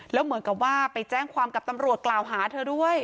แล้วเหมือนกับว่าไปแจ้งความกับตำรวจกล่าวหาเธอด้วย